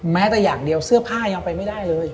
แม้แต่อย่างเดียวเสื้อผ้ายังไปไม่ได้เลย